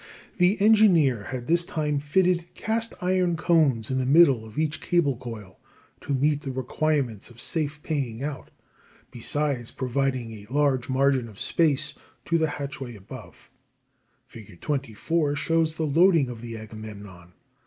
The engineer had this time fitted cast iron cones in the middle of each cable coil to meet the requirements of safe paying out, besides providing a large margin of space to the hatchway above. Fig. 24 shows the loading of the Agamemnon.